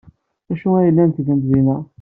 D acu ay llant ttgent din?